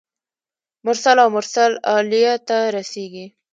مرسل او مرسل الیه ته رسیږي.